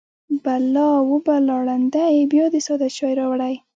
_بلا! وه بلا! ړنده يې! بيا دې ساده چای راوړی.